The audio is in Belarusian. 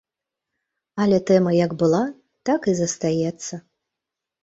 Але тэма як была, так і застаецца.